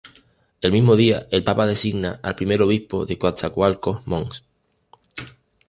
El mismo día, el papa designa al primer Obispo de Coatzacoalcos Mons.